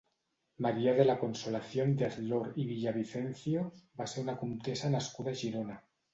María de la Consolación de Azlor i Villavicencio va ser una comtessa nascuda a Girona.